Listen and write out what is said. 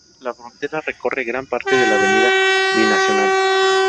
La frontera recorre gran parte de la avenida binacional.